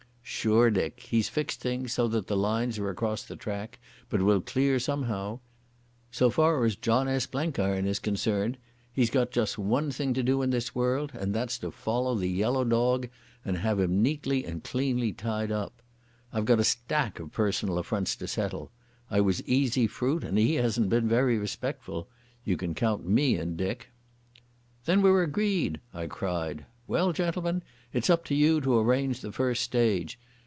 "Sure, Dick. He's fixed things so that the lines are across the track, but we'll clear somehow. So far as John S. Blenkiron is concerned he's got just one thing to do in this world, and that's to follow the yellow dog and have him neatly and cleanly tidied up. I've got a stack of personal affronts to settle. I was easy fruit and he hasn't been very respectful. You can count me in, Dick." "Then we're agreed," I cried. "Well, gentlemen, it's up to you to arrange the first stage.